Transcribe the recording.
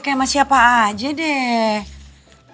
kayak sama siapa aja deh